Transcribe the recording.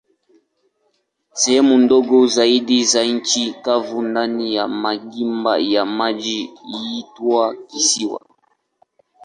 Sehemu ndogo zaidi za nchi kavu ndani ya magimba ya maji huitwa kisiwa.